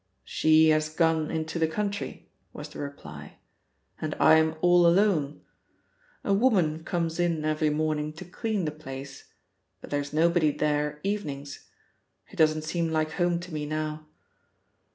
"She has gone into the country," was the reply, "and I'm all alone. A woman comes in every morning to clean the place, but there's nobody there evenings it doesn't seem like home to me now."